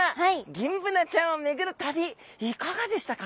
ギンブナちゃんを巡る旅いかがでしたか？